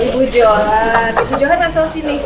ibu johan ibu johan asal sini